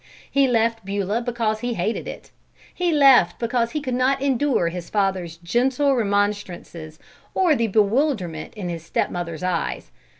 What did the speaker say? He left Beulah because he hated it. He left because he could not endure his father's gentle remonstrances or the bewilderment in his stepmother's eyes.